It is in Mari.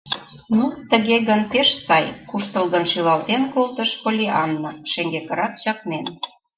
— Ну, тыге гын, пеш сай, — куштылгын шӱлалтен колтыш Поллианна, шеҥгекырак чакнен.